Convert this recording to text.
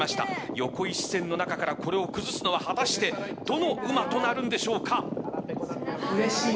横一線の中からこれを崩すのは果たして、どのうまとなるか。